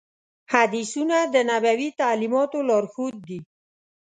حدیثونه د نبوي تعلیماتو لارښود دي.